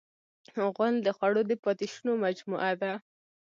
غول د خوړو د پاتې شونو مجموعه ده.